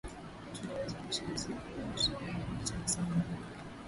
tunaweza kushinda siku za ushoni hacha niseme hivi